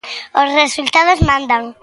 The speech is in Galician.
Os resultados mandan.